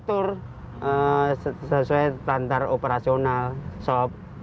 atur sesuai tantar operasional sop